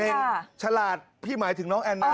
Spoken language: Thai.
ฉลาดพี่หมายถึงน้องแอนน่า